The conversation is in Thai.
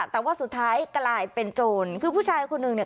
แต่ว่าสุดท้ายกลายเป็นโจรคือผู้ชายคนหนึ่งเนี่ย